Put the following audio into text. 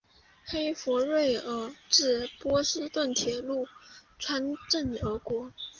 黑弗瑞尔至波士顿的铁路穿镇而过。